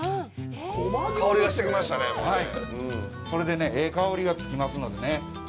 これで、ええ香りがつきますのでね。